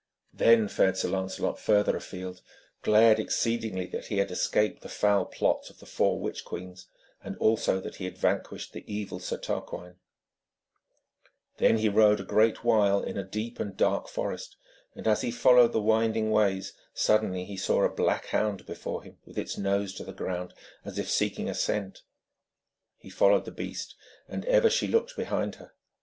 Then fared Sir Lancelot further afield, glad exceedingly that he had escaped the foul plots of the four witch queens, and also that he had vanquished the evil Sir Turquine. Then he rode a great while in a deep and dark forest, and as he followed the winding ways, suddenly he saw a black hound before him, with its nose to the ground as if seeking a scent. He followed the beast, and ever she looked behind her.